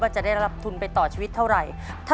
จะได้รับทุนไปต่อชีวิตเท่าไหร่